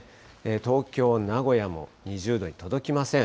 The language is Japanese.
東京、名古屋も２０度に届きません。